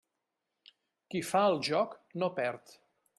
Qui fa el joc no perd.